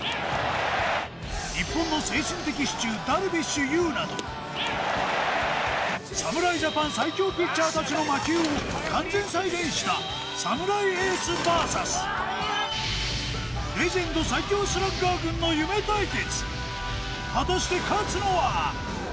日本の精神的支柱ダルビッシュ有など侍ジャパン最強ピッチャー達の魔球を完全再現した侍エースＶＳレジェンド最強スラッガー軍の夢対決